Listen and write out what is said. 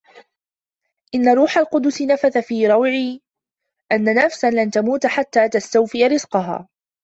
إنَّ رُوحَ الْقُدُسِ نَفَثَ فِي رَوْعِي أَنَّ نَفْسًا لَنْ تَمُوتَ حَتَّى تَسْتَوْفِيَ رِزْقَهَا